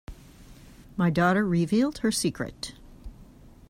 My daughter revealed her secret.